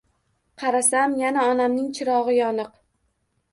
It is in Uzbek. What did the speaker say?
Qarasam, yana onamning chirog‘i yoniq.